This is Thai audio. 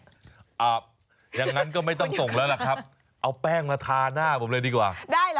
อย่างนั้นก็ไม่ต้องส่งแล้วล่ะครับเอาแป้งมาทาหน้าผมเลยดีกว่าได้เหรอ